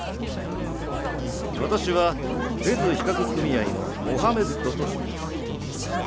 私はフェズ皮革組合のモハメッドといいます。